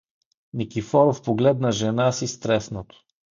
Никифоров погледна жена си стреснато.